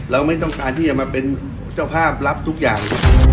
เราไม่ต้องการที่จะมาเป็นเจ้าภาพรับทุกอย่าง